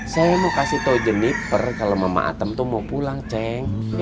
saya mau kasih tau jeniper kalau mama atam tuh mau pulang ceng